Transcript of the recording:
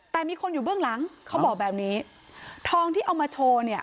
แต่มีคนอยู่เบื้องหลังเขาบอกแบบนี้ทองที่เอามาโชว์เนี่ย